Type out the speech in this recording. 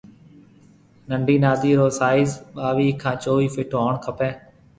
ننڊِي نادِي رو سائز ٻاوِي کان چويھ فٽ ھوڻ کپيَ